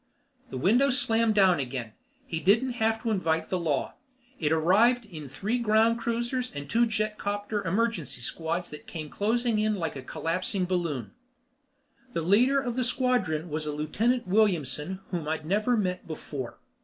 The window slammed down again. He didn't have to invite the law. It arrived in three ground cruisers and two jetcopter emergency squads that came closing in like a collapsing balloon. The leader of the squadron was a Lieutenant Williamson whom I'd never met before.